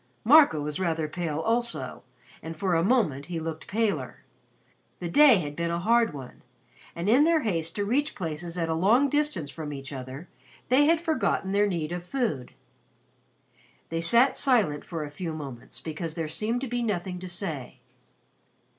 Marco was rather pale also, and for a moment he looked paler. The day had been a hard one, and in their haste to reach places at a long distance from each other they had forgotten their need of food. They sat silent for a few moments because there seemed to be nothing to say.